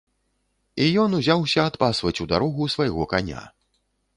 І ён узяўся адпасваць у дарогу свайго каня.